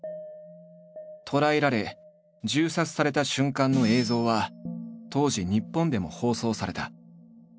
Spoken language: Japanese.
捕らえられ銃殺された瞬間の映像は当時日本でも放送された。